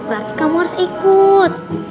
berarti kamu harus ikut